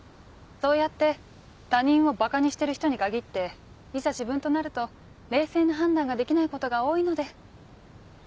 そうやって他人をばかにしてる人に限っていざ自分となると冷静な判断ができないことが多いので。